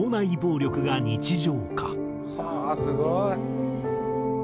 「はあすごい！」